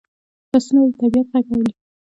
لاسونه د طبیعت غږ اوري